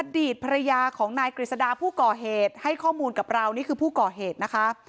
อดีตภรรยาของนายกฤษดาผู้ก่อเหตุให้ข้อมูลกับเรานี่คือผู้ก่อเหตุนะคะ